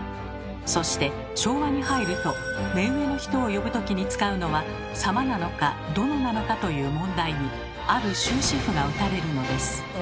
そして昭和に入ると目上の人を呼ぶときに使うのは「様」なのか「殿」なのかという問題にある終止符が打たれるのです。